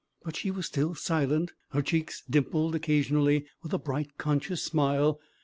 But she was still silent; her cheeks dimpled occasionally with a bright, conscious smile.